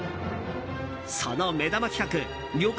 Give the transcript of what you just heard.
その目玉企画旅館